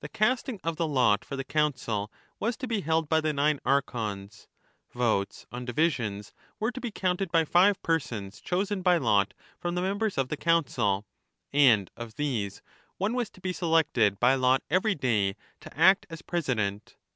59 casting of the lot for the Council was to be held by the nine Archons ; votes on divisions were to be counted by five persons chosen by lot from the members of the Council, and of these one was to be selected by lot every day to act as president.